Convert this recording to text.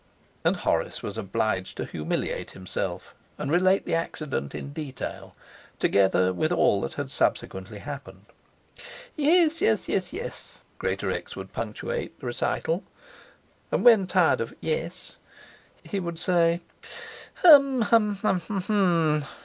And Horace was obliged to humiliate himself and relate the accident in detail, together with all that had subsequently happened. 'Yes, yes, yes, yes!' Greatorex would punctuate the recital, and when tired of 'yes' he would say 'Hum, hum, hum, hum!'